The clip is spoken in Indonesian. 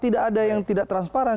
tidak ada yang tidak transparan